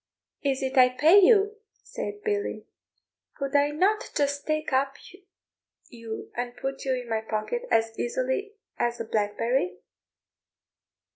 "Is it I pay you?" said Billy; "could I not just take you up and put you in my pocket as easily as a blackberry?"